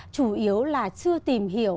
chủ yếu là chưa tìm hiểu